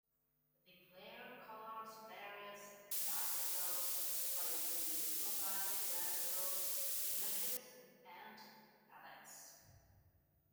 The player colors various dinosaurs by using the provided dinosaur images and palettes.